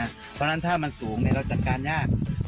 เพราะฉะนั้นถ้ามันสูงเราจัดการยาก